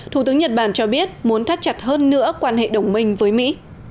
thủ tướng nhật bản cho biết muốn thắt chặt hơn nữa quan hệ đồng minh với mỹ